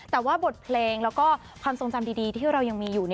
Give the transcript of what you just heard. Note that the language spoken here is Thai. แต่ว่าบทเพลงแล้วก็ความทรงจำดีที่เรายังมีอยู่